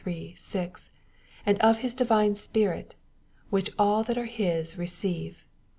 and of His divine Spirit, which all that are His receive.